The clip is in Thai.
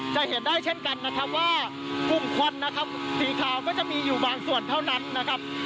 จะเห็นได้เช่นกันนะครับว่ากลุ่มควันนะครับสีขาวก็จะมีอยู่บางส่วนเท่านั้นนะครับ